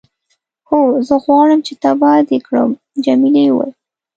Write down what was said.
هو، زه غواړم چې تباه دې کړم. جميلې وويل:.